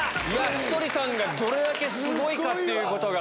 ひとりさんがどれだけすごいかっていうことが。